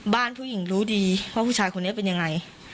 บ้านผู้หญิงรู้ดีว่าผู้ชายคนนี้เป็นยังไง